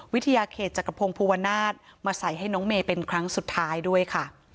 วิทยาเขตจักรพงศ์ภูวนาศมาใส่ให้น้องเมย์เป็นครั้งสุดท้ายด้วยค่ะ